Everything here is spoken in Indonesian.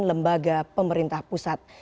lembaga pemerintah pusat